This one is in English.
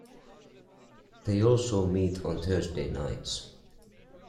They also meet on Thursday nights.